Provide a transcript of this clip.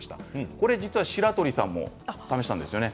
これ実は白鳥さんも試したんですよね。